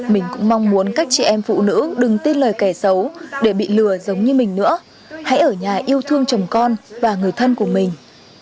mình cũng mong muốn các chị em phụ nữ đừng tin lời kẻ xấu để bị lừa giống như mình nữa hãy ở nhà yêu thương chồng con và người thân của mình